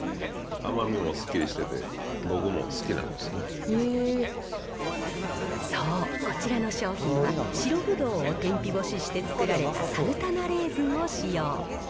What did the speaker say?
甘みもすっきりしてて、僕も好きそう、こちらの商品は白ぶどうを天日干しして作られたサルタナレーズンを使用。